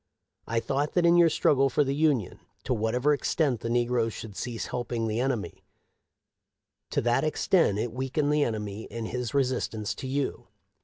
" I thought that in your struggle for the Union, to whatever extent the negroes should cease help ing the enemy, to that extent it weakened the enemy in his resistance to you.